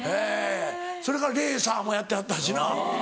それからレーサーもやってはったしな。